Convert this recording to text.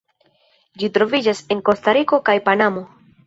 Ĝi troviĝas en Kostariko kaj Panamo.